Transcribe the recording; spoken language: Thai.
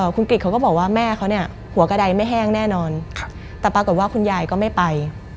คุณกริจเขาก็บอกว่าแม่เขาเนี่ยหัวกระดายไม่แห้งแน่นอนแต่ปรากฏว่าคุณยายก็ไม่ไป